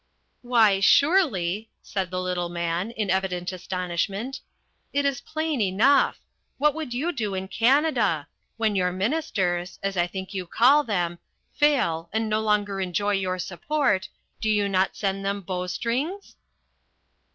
"Why surely," said the little man, in evident astonishment, "it is plain enough. What would you do in Canada? When your ministers as I think you call them fail and no longer enjoy your support, do you not send them bowstrings?"